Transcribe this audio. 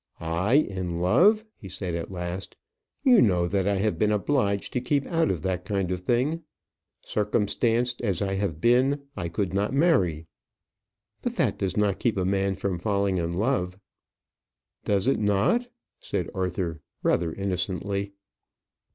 "I in love!" he said at last. "You know that I have been obliged to keep out of that kind of thing. Circumstanced as I have been, I could not marry." "But that does not keep a man from falling in love." "Does not it?" said Arthur, rather innocently.